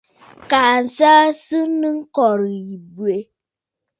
Kaa nsəə sɨ nɨ kɔ̀rə̀ yì bwɛ.